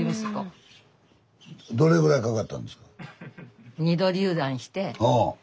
どれぐらいかかったんですか？